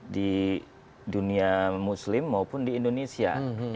di dunia muslim maupun di indonesia